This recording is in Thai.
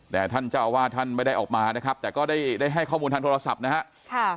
แต่ท่านเจ้าอาวาสท่านไม่ได้ออกมานะครับแต่ก็ได้ให้ข้อมูลทางโทรศัพท์นะฮะ